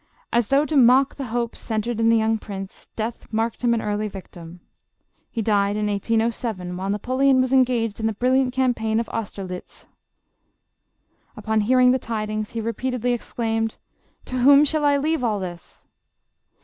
As though to mock the hopes centered in the young prince, Death marked him an early victim. He died in 1807, while Napoleon was engaged in the brilliant campaign of Austerlit/. Upon hearing the tidings, he repeated ly exclaimed, "To whom shall I leave all this?"